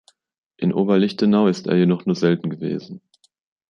In Oberlichtenau ist er jedoch nur selten gewesen.